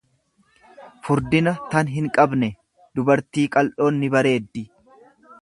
furdina tan hinqabne, Dubartii qal'oon ni bareeddi.